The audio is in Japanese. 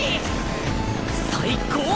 最高！